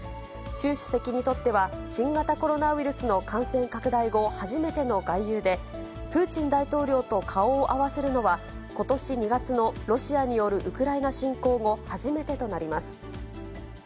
習主席にとっては、新型コロナウイルスの感染拡大後、初めての外遊で、プーチン大統領と顔を合わせるのは、ことし２月のロシアによるウクライナ侵攻後初めてとなります。